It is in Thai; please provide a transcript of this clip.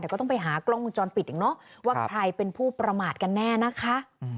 แต่ก็ต้องไปหากล้องวงจรปิดอีกเนอะว่าใครเป็นผู้ประมาทกันแน่นะคะ